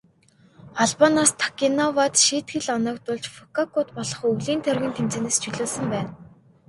Холбооноос Таканоивад шийтгэл оногдуулж, Фүкүокад болох өвлийн тойргийн тэмцээнээс чөлөөлсөн байна.